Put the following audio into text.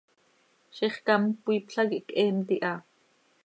Zixcám cmiipla quih cheemt iha.